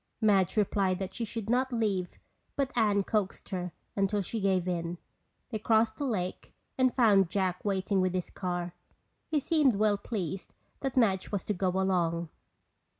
Madge replied that she should not leave but Anne coaxed her until she gave in. They crossed the lake and found Jack waiting with his car. He seemed well pleased that Madge was to go along.